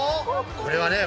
これはね